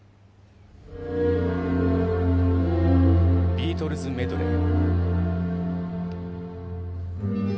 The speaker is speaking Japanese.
「ビートルズメドレー」。